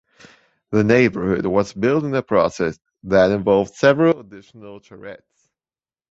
The neighborhood was built in a process that involved several additional charrettes.